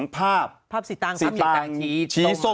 ภาพสตางศ์ชีส้ม